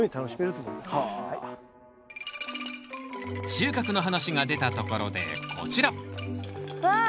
収穫の話が出たところでこちらわあ！